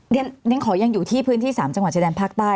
เรียนขอยังอยู่ที่พื้นที่๓จังหวัดชายแดนภาคใต้